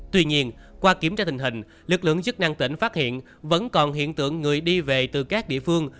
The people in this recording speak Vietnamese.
tuy nhiên qua kiểm tra tình hình lực lượng chức năng tỉnh phát hiện vẫn còn hiện tượng người đi về từ các địa phương